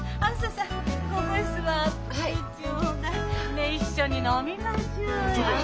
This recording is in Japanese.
ねえ一緒に飲みましょうよ。